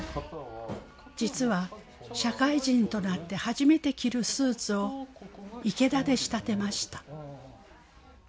実は社会人となって初めて着るスーツを池田で仕立てました。